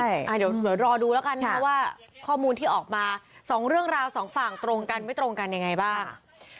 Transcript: เดี๋ยวรอดูแล้วกันนะว่าข้อมูลที่ออกมาสองเรื่องราวสองฝั่งตรงกันไม่ตรงกันยังไงบ้าง